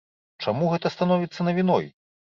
Чаму гэта становіцца навіной?